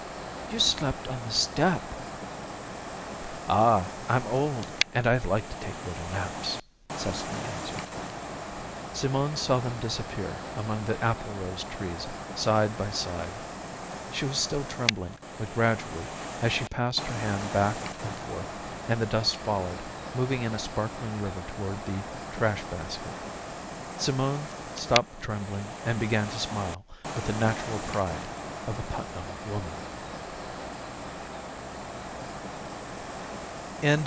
"You slept on the step." "Ah! I'm old and I like to take little naps," Cecily answered. Simone saw them disappear among the applerose trees side by side. She was still trembling, but gradually, as she passed her hand back and forth, and the dust followed, moving in a sparkling river toward the trash basket, Simone stopped trembling and began to smile with the natural pride of a Putnam woman.